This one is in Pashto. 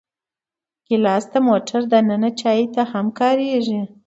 ګیلاس د موټر دننه چایو ته هم کارېږي.